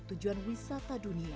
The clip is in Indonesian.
tujuan wisata dunia